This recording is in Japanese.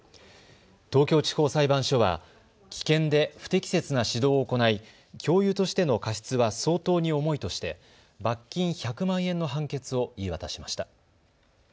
東京地方裁判所は危険で不適切な指導を行い教諭としての過失は相当に重いとして罰金１００万円の判決を言い渡しました。